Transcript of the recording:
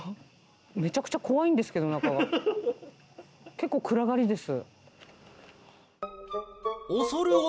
結構暗がりです。